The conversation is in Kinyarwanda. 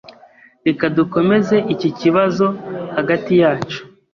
Reka dukomeze iki kibazo hagati yacu.